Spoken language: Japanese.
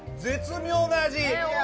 絶妙な味。